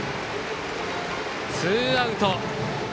ツーアウト。